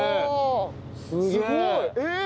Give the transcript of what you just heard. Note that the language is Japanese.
すごい！えっ。